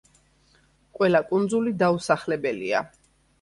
ყველა კუნძული დაუსახლებელია.